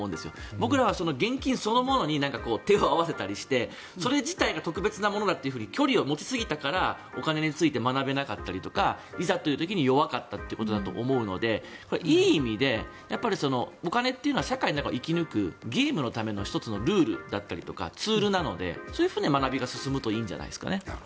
僕らは現金そのものに手を合わせたりしてそれ自体が特別なものだって距離を持ちすぎたからお金について学べなかったりとかいざという時に弱かったということだと思うのでいい意味でお金というのは社会の中を生き抜くゲームのための１つのルールだったりとかツールなのでそういうふうに学びが進むといいんじゃないですかね。